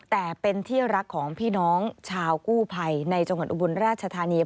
แต่เป็นที่รักของพี่น้องชาวกู้ภัยในจังหวัดอุบลราชธานี